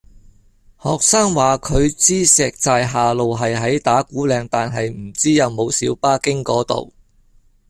學生話佢知石寨下路係喺打鼓嶺，但係唔知有冇小巴經嗰度